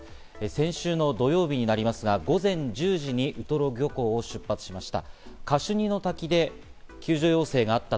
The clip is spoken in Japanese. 先週の土曜日になりますが、午前１０時にウトロ漁港を出発しました。